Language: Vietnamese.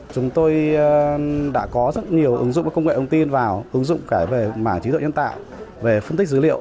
chúng tôi đã có rất nhiều ứng dụng công nghệ ứng tin vào ứng dụng cả về mảng chí độ nhân tạo về phân tích dữ liệu